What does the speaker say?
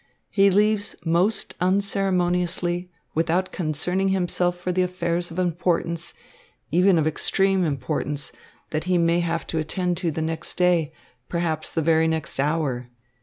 He leaves most unceremoniously, without concerning himself for the affairs of importance, even of extreme importance, that he may have to attend to the next day, perhaps the very next hour.